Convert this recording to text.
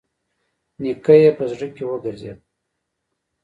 نيکه يې په زړه کې وګرځېد.